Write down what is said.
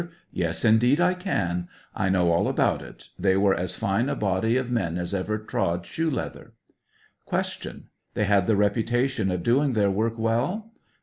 Yes, indeed, I can ; I know all about it; they were as fine a body of men as ever trod shoe leather. Q. They had the reputation of doing their work well?